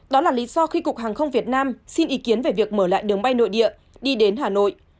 đó là lý do khi cục hàng không việt nam xin ý kiến về việc mở lại đường bay nội địa đi đến hà nội